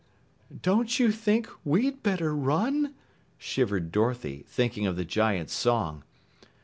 "Don't you think we'd better run?" shiver Dorothy, thinking of the giant's song.